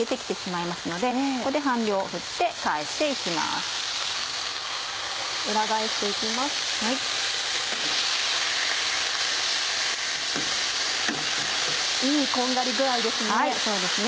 いいこんがり具合ですね。